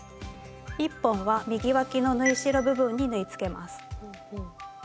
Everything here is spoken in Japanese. １本は右わきの縫い代部分に縫いつけます。